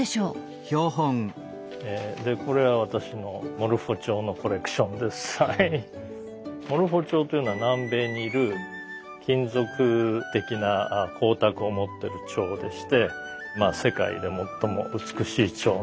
モルフォチョウというのは南米にいる金属的な光沢を持ってるチョウでして世界で最も美しいチョウの一つですね。